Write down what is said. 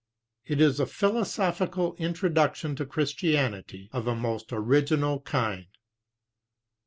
It is a philosophical introduction to Christianity of a most original kind.